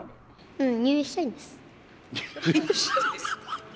うん。